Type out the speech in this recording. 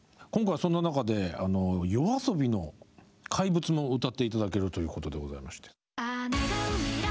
今回はそんな中でＹＯＡＳＯＢＩの「怪物」も歌って頂けるということでございまして。